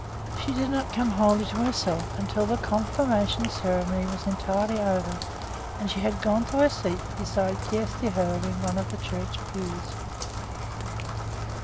She did not come wholly to herself until the confirmation ceremony was entirely over and she had gone to her seat beside Kjersti Hoel in one of the church pews.